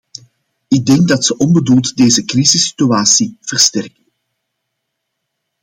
Ik denk dat ze onbedoeld deze crisissituatie versterken.